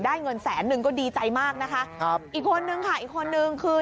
เงินแสนนึงก็ดีใจมากนะคะครับอีกคนนึงค่ะอีกคนนึงคือ